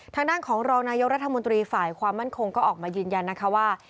ทางด้านของรองนายกรัฐมนตรีฝ่ายความมั่นคงก็ออกมายืนยันนะคะว่า